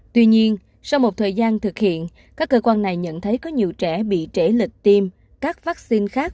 tuy nhiên sau một thời gian thực hiện các cơ quan này nhận thấy có nhiều trẻ bị trễ lịch tiêm các vaccine khác